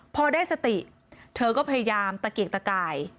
พอได้สติเธอก็พยายามตะเกียกตะกาย